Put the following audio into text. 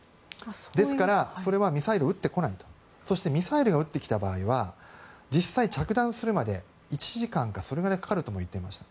ですからそれはミサイルを打ってこないとそしてミサイルを撃ってきた場合実際に着弾するまで１時間かそれぐらいかかるとも言っていました。